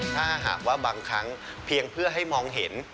ถ้าหากว่าบางครั้งเพียงเพื่อให้มองเห็น